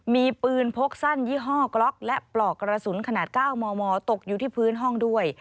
มีปืนพกสั้นยี่ห้อกล็อกและปลอกกระสุนขนาด๙มมตกอยู่ที่พื้นห้องด้วย